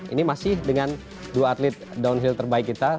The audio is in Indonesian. ini masih dengan dua atlet downhill terbaik kita